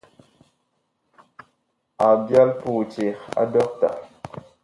Ag byal puh eceg a dɔkta.